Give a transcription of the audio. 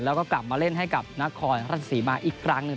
และก็กลับมาเล่นให้กับนครฤษฎศรีมาอีกครั้ง